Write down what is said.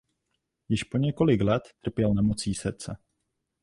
Již po několik let trpěl nemocí srdce.